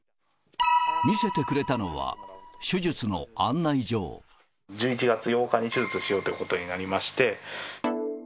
見せてくれたのは、手術の案１１月８日に手術しようということになりまして。